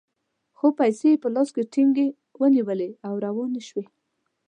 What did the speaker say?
خو پیسې یې په لاس کې ټینګې ونیولې او روانې شوې.